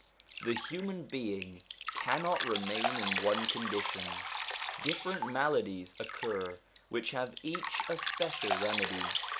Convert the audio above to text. The human being cannot remain in one condition : different maladies occur which have each a special remedy.